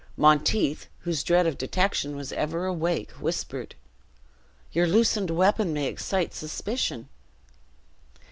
Monteith, whose dread of detection was ever awake, whispered: "Your loosened weapon may excite suspicion!"